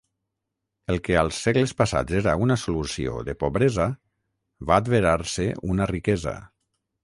El que als segles passats era una solució de pobresa, va adverar-se una riquesa.